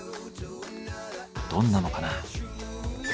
どんなのかな。